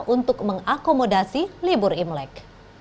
untuk mengakomodasi libur imlek